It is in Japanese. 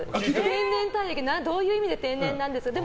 天然ってどういう意味で天然なんですかって。